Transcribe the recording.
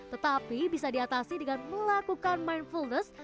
tetapi bisa diatasi dengan melakukan mindfulness